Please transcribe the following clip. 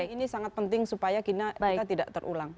ini sangat penting supaya kita tidak terulang